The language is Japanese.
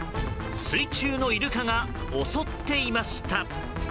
水中のイルカが襲っていました。